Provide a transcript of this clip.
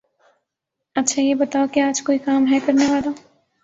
اچھا یہ بتاؤ کے آج کوئی کام ہے کرنے والا؟